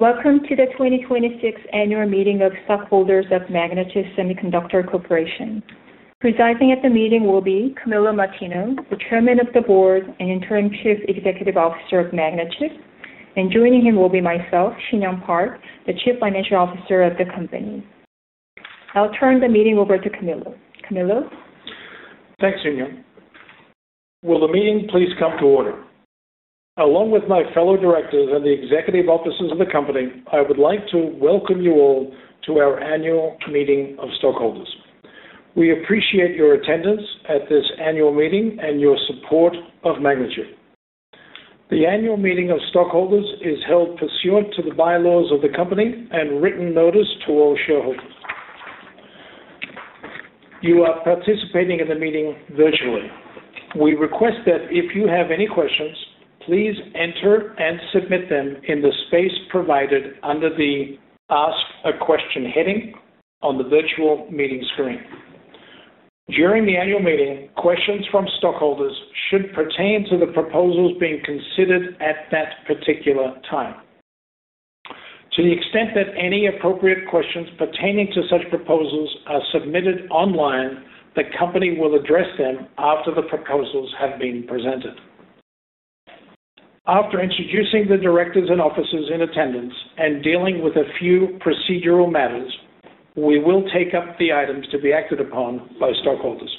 Welcome to the 2026 Annual Meeting of Stockholders of Magnachip Semiconductor Corporation. Presiding at the meeting will be Camillo Martino, the Chairman of the Board and Interim Chief Executive Officer of Magnachip, and joining him will be myself, Shinyoung Park, the Chief Financial Officer of the company. I'll turn the meeting over to Camillo. Camillo? Thanks, Shinyoung. Will the meeting please come to order? Along with my fellow Directors and the Executive Officers of the company, I would like to welcome you all to our Annual Meeting of Stockholders. We appreciate your attendance at this Annual Meeting and your support of Magnachip. The Annual Meeting of Stockholders is held pursuant to the bylaws of the company and written notice to all shareholders. You are participating in the meeting virtually. We request that if you have any questions, please enter and submit them in the space provided under the Ask a Question heading on the virtual meeting screen. During the Annual Meeting, questions from stockholders should pertain to the proposals being considered at that particular time. To the extent that any appropriate questions pertaining to such proposals are submitted online, the company will address them after the proposals have been presented. After introducing the Directors and Officers in attendance and dealing with a few procedural matters, we will take up the items to be acted upon by stockholders.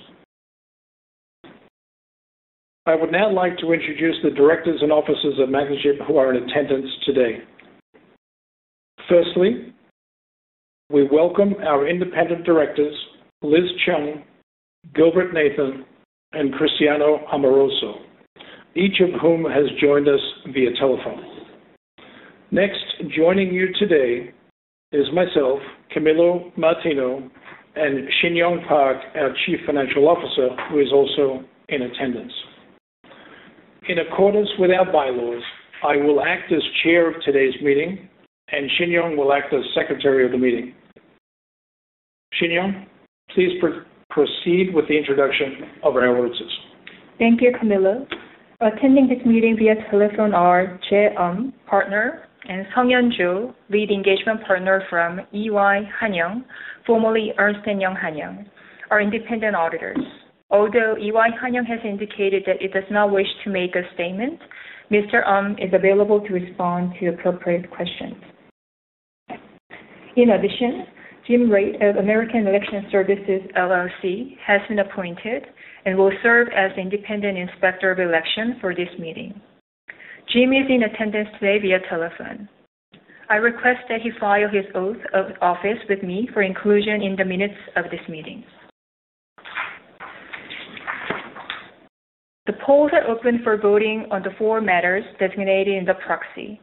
I would now like to introduce the Directors and Officers of Magnachip who are in attendance today. Firstly, we welcome our Independent Directors, Liz Chung, Gilbert Nathan, and Cristiano Amoruso, each of whom has joined us via telephone. Next, joining you today is myself, Camillo Martino, and Shinyoung Park, our Chief Financial Officer, who is also in attendance. In accordance with our bylaws, I will act as Chair of today's meeting, and Shinyoung will act as Secretary of the meeting. Shinyoung, please proceed with the introduction of our auditors. Thank you, Camillo. Attending this meeting via telephone are Jae Aum, Partner, and Song Hyun-joo, Lead Engagement Partner from EY Hanyoung, formerly Ernst & Young Hanyoung, our independent auditors. Although EY Hanyoung has indicated that it does not wish to make a statement, Mr. Aum is available to respond to appropriate questions. In addition, Jim Raitt of American Election Services LLC has been appointed and will serve as Independent Inspector of Election for this meeting. Jim is in attendance today via telephone. I request that he file his oath of office with me for inclusion in the minutes of this meeting. The polls are open for voting on the four matters designated in the proxy.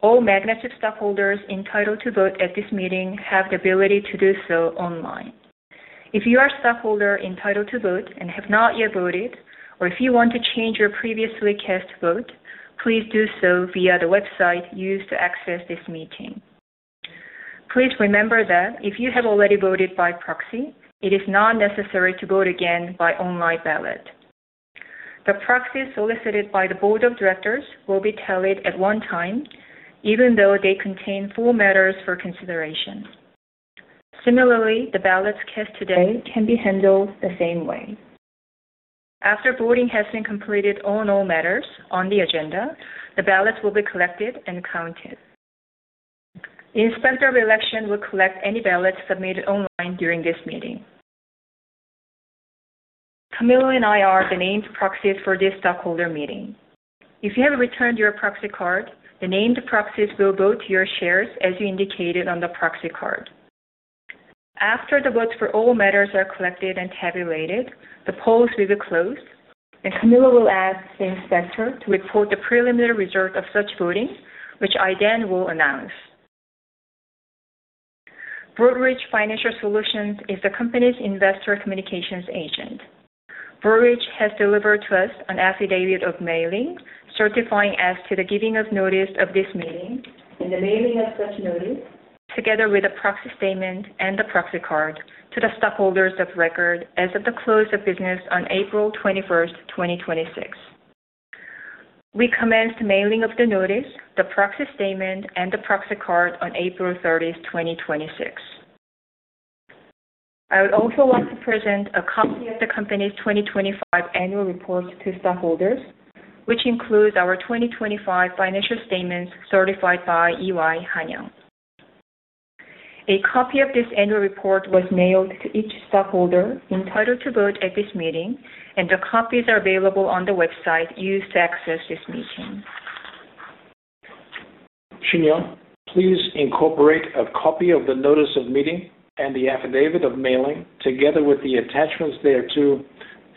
All Magnachip stockholders entitled to vote at this meeting have the ability to do so online. If you are a stockholder entitled to vote and have not yet voted, or if you want to change your previously cast vote, please do so via the website used to access this meeting. Please remember that if you have already voted by proxy, it is not necessary to vote again by online ballot. The proxies solicited by the Board of Directors will be tallied at one time, even though they contain four matters for consideration. Similarly, the ballots cast today can be handled the same way. After voting has been completed on all matters on the agenda, the ballots will be collected and counted. The Inspector of Election will collect any ballots submitted online during this meeting. Camillo and I are the named proxies for this stockholder meeting. If you have returned your proxy card, the named proxies will vote your shares as you indicated on the proxy card. After the votes for all matters are collected and tabulated, the polls will be closed. Camillo will ask the inspector to report the preliminary results of such voting, which I then will announce. Broadridge Financial Solutions is the company's investor communications agent. Broadridge has delivered to us an affidavit of mailing, certifying as to the giving of notice of this meeting and the mailing of such notice, together with a proxy statement and the proxy card to the stockholders of record as of the close of business on April 21st, 2026. We commenced mailing of the notice, the proxy statement, and the proxy card on April 30th, 2026. I would also like to present a copy of the company's 2025 annual report to stockholders, which includes our 2025 financial statements certified by EY Hanyoung. A copy of this annual report was mailed to each stockholder entitled to vote at this meeting. The copies are available on the website used to access this meeting. Shinyoung, please incorporate a copy of the notice of meeting and the affidavit of mailing, together with the attachments thereto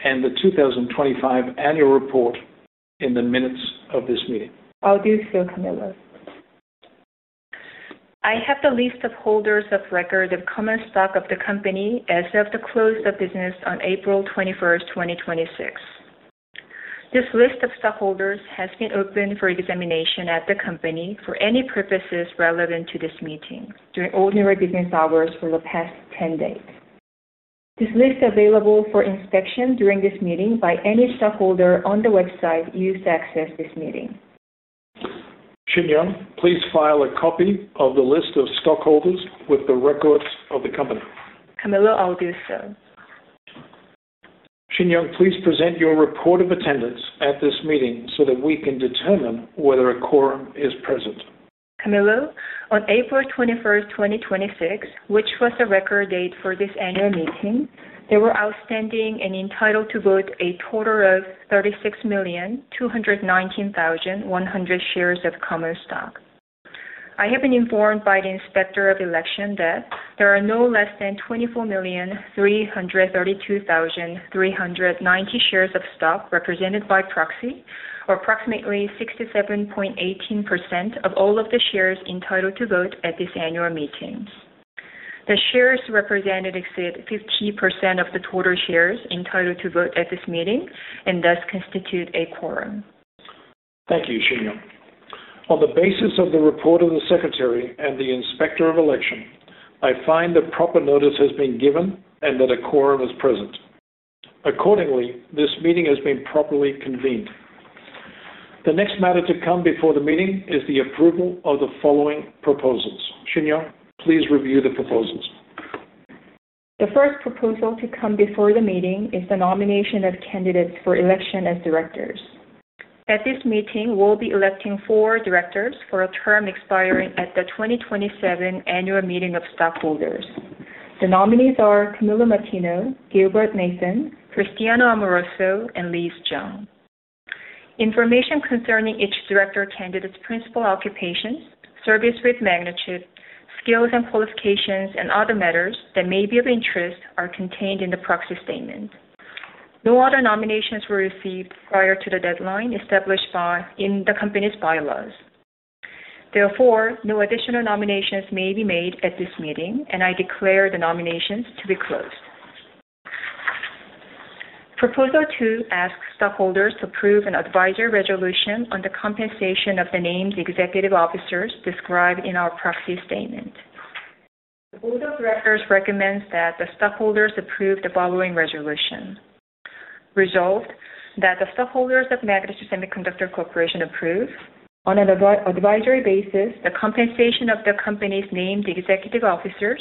and the 2025 annual report in the minutes of this meeting. I'll do so, Camillo. I have the list of holders of record of common stock of the company as of the close of business on April 21st, 2026. This list of stockholders has been open for examination at the company for any purposes relevant to this meeting during ordinary business hours for the past 10 days. This list is available for inspection during this meeting by any stockholder on the website used to access this meeting. Shinyoung, please file a copy of the list of stockholders with the records of the company. Camillo, I will do so. Shinyoung, please present your report of attendance at this meeting so that we can determine whether a quorum is present. Camillo, on April 21st, 2026, which was the record date for this Annual Meeting, there were outstanding and entitled to vote a total of 36,219,100 shares of common stock. I have been informed by the Inspector of Election that there are no less than 24,332,390 shares of stock represented by proxy, or approximately 67.18% of all of the shares entitled to vote at this Annual Meeting. The shares represented exceed 50% of the total shares entitled to vote at this meeting and thus constitute a quorum. Thank you, Shinyoung. On the basis of the report of the Secretary and the Inspector of Election, I find that proper notice has been given and that a quorum is present. Accordingly, this meeting has been properly convened. The next matter to come before the meeting is the approval of the following proposals. Shinyoung, please review the proposals. The first proposal to come before the meeting is the nomination of candidates for election as directors. At this meeting, we will be electing four Directors for a term expiring at the 2027 Annual Meeting of Stockholders. The nominees are Camillo Martino, Gilbert Nathan, Cristiano Amoruso, and Liz Chung. Information concerning each director candidate's principal occupations, service with Magnachip, skills and qualifications, and other matters that may be of interest are contained in the proxy statement. No other nominations were received prior to the deadline established in the company's bylaws. Therefore, no additional nominations may be made at this meeting, and I declare the nominations to be closed. Proposal two asks stockholders to approve an advisory resolution on the compensation of the named Executive Officers described in our proxy statement. The Board of Directors recommends that the stockholders approve the following resolution. Resolved that the stockholders of Magnachip Semiconductor Corporation approve, on an advisory basis, the compensation of the company's named executive officers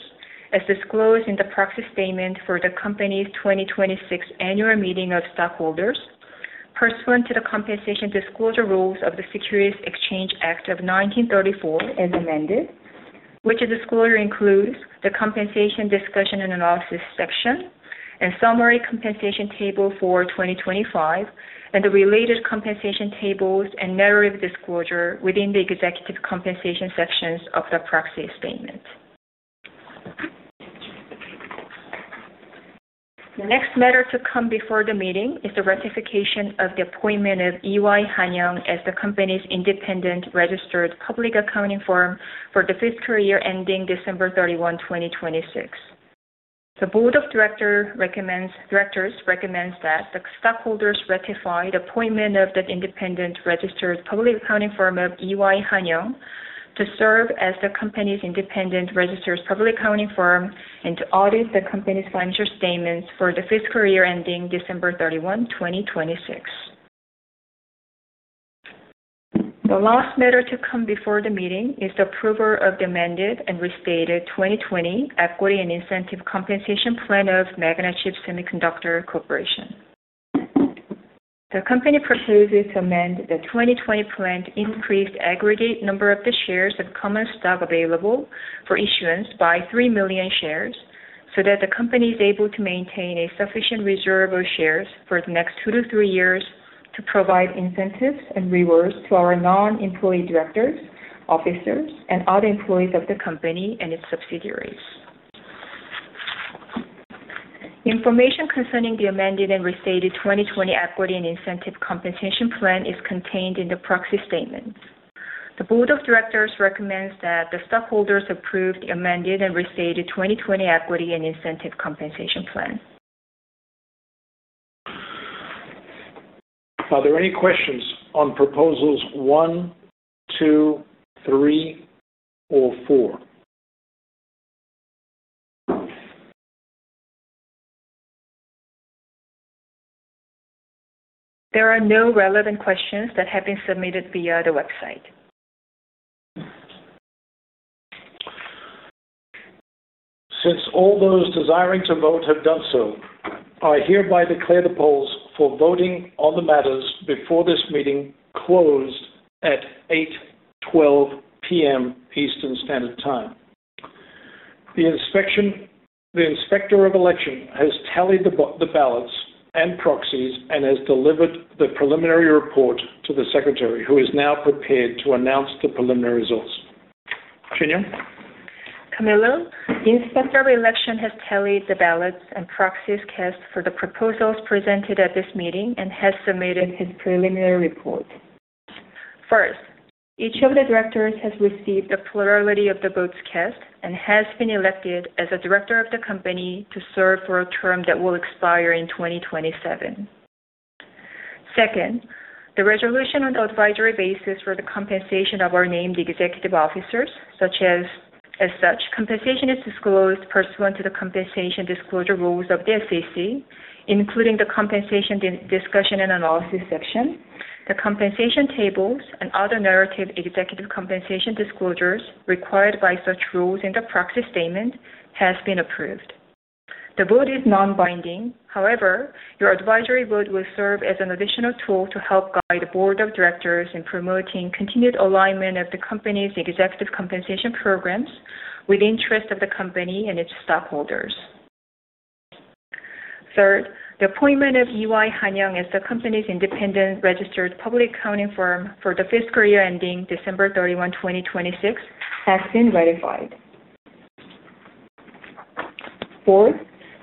as disclosed in the proxy statement for the company's 2026 Annual Meeting of Stockholders pursuant to the compensation disclosure rules of the Securities Exchange Act of 1934 as amended, which disclosure includes the compensation discussion and analysis section and summary compensation table for 2025 and the related compensation tables and narrative disclosure within the executive compensation sections of the proxy statement. The next matter to come before the meeting is the ratification of the appointment of EY Hanyoung as the company's independent registered public accounting firm for the fiscal year ending December 31, 2026. The Board of Directors recommends that the stockholders ratify the appointment of the independent registered public accounting firm of EY Hanyoung to serve as the company's independent registered public accounting firm and to audit the company's financial statements for the fiscal year ending December 31, 2026. The last matter to come before the meeting is the approval of the amended and restated 2020 equity and incentive compensation plan of Magnachip Semiconductor Corporation. The company proposes to amend the 2020 plan to increase the aggregate number of the shares of common stock available for issuance by three million shares so that the company is able to maintain a sufficient reserve of shares for the next two to three years to provide incentives and rewards to our non-employee directors, officers, and other employees of the company and its subsidiaries. Information concerning the amended and restated 2020 equity and incentive compensation plan is contained in the proxy statement. The Board of Directors recommends that the stockholders approve the amended and restated 2020 equity and incentive compensation plan. Are there any questions on proposals one, two, three, or four? There are no relevant questions that have been submitted via the website. Since all those desiring to vote have done so, I hereby declare the polls for voting on the matters before this meeting closed at 8:12 P.M. Eastern Standard Time. The Inspector of Election has tallied the ballots and proxies and has delivered the preliminary report to the Secretary, who is now prepared to announce the preliminary results. Shinyoung? Camillo, the Inspector of Election has tallied the ballots and proxies cast for the proposals presented at this meeting and has submitted his preliminary report. First, each of the Directors has received a plurality of the votes cast and has been elected as a Director of the company to serve for a term that will expire in 2027. Second, the resolution on the advisory basis for the compensation of our named Executive Officers. As such, compensation is disclosed pursuant to the compensation disclosure rules of the SEC, including the compensation discussion and analysis section, the compensation tables, and other narrative executive compensation disclosures required by such rules in the proxy statement has been approved. The vote is non-binding. Your advisory vote will serve as an additional tool to help guide the Board of Directors in promoting continued alignment of the company's executive compensation programs with the interest of the company and its stockholders. Third, the appointment of EY Hanyoung as the company's independent registered public accounting firm for the fiscal year ending December 31, 2026, has been ratified. Fourth,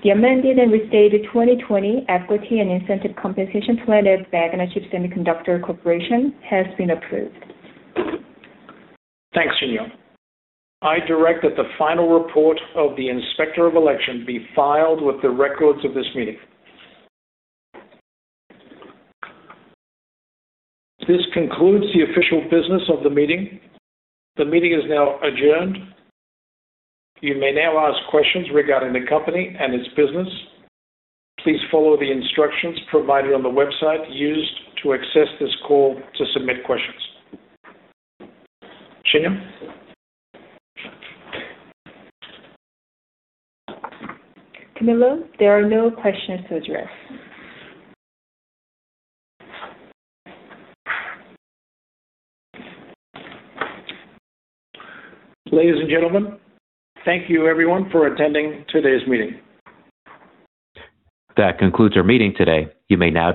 the amended and restated 2020 equity and incentive compensation plan at Magnachip Semiconductor Corporation has been approved. Thanks, Shinyoung. I direct that the final report of the Inspector of Election be filed with the records of this meeting. This concludes the official business of the meeting. The meeting is now adjourned. You may now ask questions regarding the company and its business. Please follow the instructions provided on the website used to access this call to submit questions. Shinyoung? Camillo, there are no questions to address. Ladies and gentlemen, thank you everyone for attending today's meeting. That concludes our meeting today. You may now disconnect.